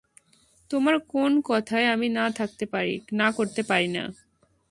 তোমার কোন কথায় আমি না করতে পারিনা।